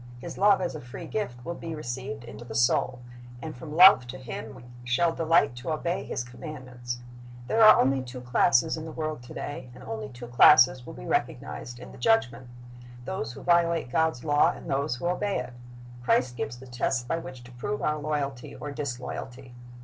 His love as a free gift will be received into the soul, and from love to Him we shall delight to obey His commandments. There are only two classes in the world to day, and only two classes will be recognized in the Judgment, — those who violate God's law, and those who obey it. Christ gives the test by which to prove our loyalty or disloyalty.